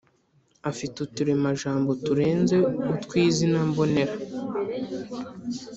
afite uturemajambo turenze utwi izina mbonera